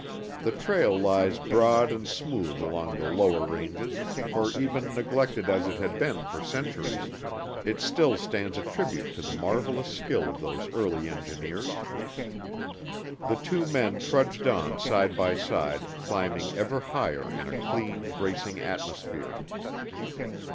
The trail lies broad and smooth along the lower ranges, for, even neglected as it has been for centuries, it still stands a tribute to the marvelous skill of those early engineers. The two men trudged on side by side climbing ever higher in a clean, bracing atmosphere.